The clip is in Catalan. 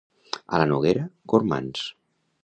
A la Noguera, gormands.